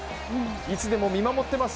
いつでも見守ってます！